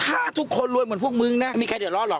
ฆ่าทุกคนรวยเหมือนพวกมึงนะไม่มีใครเดี๋ยวรอหรอก